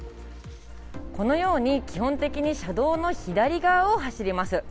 このように基本的に車道の左側を走ります。